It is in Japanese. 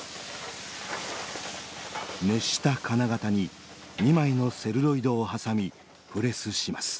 熱した金型に２枚のセルロイドを挟みプレスします。